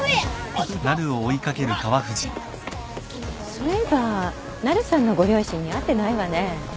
そういえばなるさんのご両親に会ってないわね。